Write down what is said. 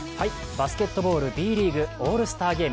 バスケットボールＢリーグ、オールスターゲーム。